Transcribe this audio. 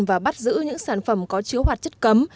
và bắt giữ những sản phẩm có chứa hoạt chất cấm